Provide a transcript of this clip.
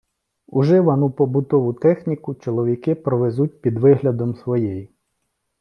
Уживану побутову техніку чоловіки провезуть під виглядом своєї.